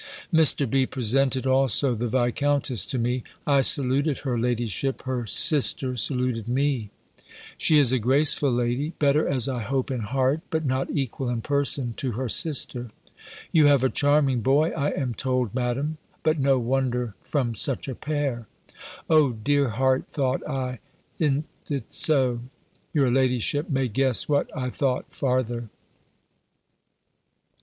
Mr. B. presented also the Viscountess to me; I saluted her ladyship; her sister saluted me. She is a graceful lady; better, as I hope, in heart, but not equal in person to her sister. "You have a charming boy, I am told, Madam; but no wonder from such a pair!" "O dear heart," thought I, "i'n't it so!" Your ladyship may guess what I thought farther.